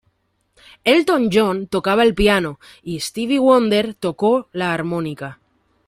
Elton John tocaba el piano y Stevie Wonder tocó la armónica.